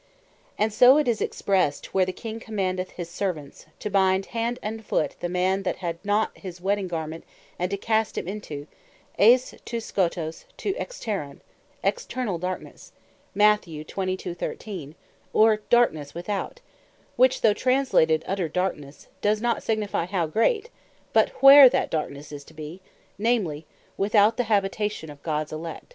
And so it is expressed (Mat. 22.13.) where the King commandeth his Servants, "to bind hand and foot the man that had not on his Wedding garment, and to cast him out," Eis To Skotos To Exoteron, Externall Darknesse, or Darknesse Without: which though translated Utter Darknesse, does not signifie How Great, but Where that darknesse is to be; namely, Without The Habitation of Gods Elect.